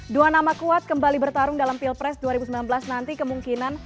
dua nama kuat kembali bertarung dalam pilpres dua ribu sembilan belas nanti kemungkinan